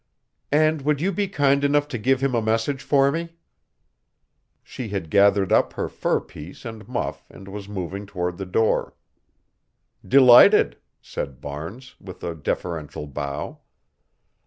"And would you be kind enough to give him a message for me?" She had gathered up her fur piece and muff and was moving toward the door. "Delighted," said Barnes, with a deferential bow.